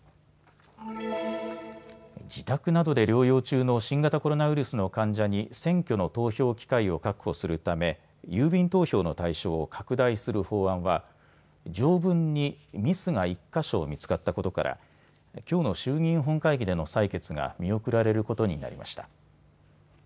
自宅などで療養中の新型コロナウイルスの患者に選挙の投票機会を確保するため郵便投票の対象を拡大する法案は条文にミスが１か所見つかったことからきょうの衆議院本会議での採決が見送られることになりました。